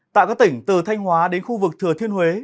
tại các tỉnh từ thanh hóa đến khu vực thừa thiên huế